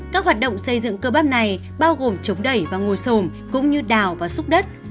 các hoạt động xây dựng cơ bản này bao gồm chống đẩy và ngồi sồm cũng như đào và xúc đất